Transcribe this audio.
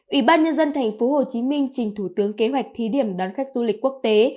ủy ban nhân dân thành phố hồ chí minh trình thủ tướng kế hoạch thí điểm đón khách du lịch quốc tế